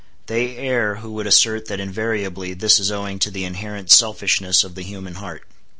They err who would assert that invariably this is owing to the inherent selfishness of the human heart.